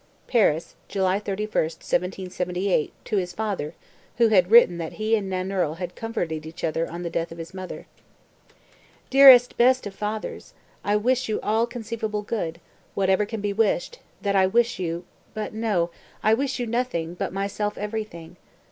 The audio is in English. (Paris, July 31, 1778, to his father, who had written that he and Nannerl had comforted each other on the death of his mother.) 188. "Dearest, best of fathers! I wish you all conceivable good; whatever can be wished, that I wish you, but no, I wish you nothing, but myself everything.